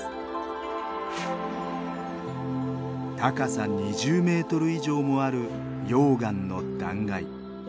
高さ２０メートル以上もある溶岩の断崖。